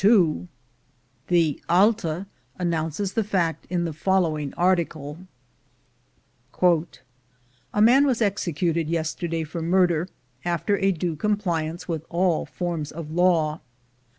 224 THE GOLD HUNTERS The Alta announces the fact in the following article :— "A man was executed yesterday for murder, after a due compliance with all forms of law.